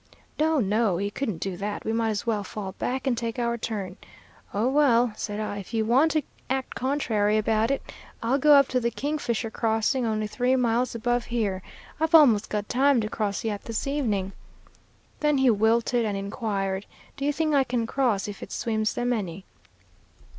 "No! No! he couldn't do that; we might as well fall back and take our turn. 'Oh, well,' said I, 'if you want to act contrary about it, I'll go up to the King Fisher crossing, only three miles above here. I've almost got time to cross yet this evening.' "Then he wilted and inquired, 'Do you think I can cross if it swims them any?'